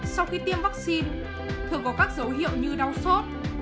sau khi tiêm vắc xin thường có các dấu hiệu như đau sốt